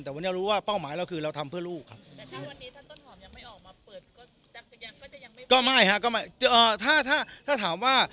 แต่ถ้าวันนี้ถ้าต้นหอมยังไม่ออกมาเปิดก็จะยังไม่ไม่ฮะก็ไม่ฮะก็ไม่ถ้าถ้าถ้าถามว่า